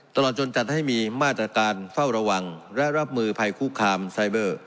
ตลอดจนจัดให้มีมาตรการเฝ้าระวังและรับมือภัยคุกคามไซเบอร์